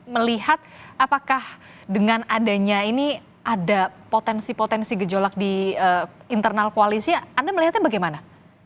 melihat apakah dengan adanya ini ada potensi potensi gejolak di internal koalisi anda melihatnya bagaimana